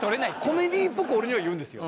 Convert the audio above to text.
コメディーっぽく俺には言うんですよ。